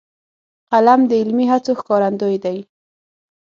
قلم د علمي هڅو ښکارندوی دی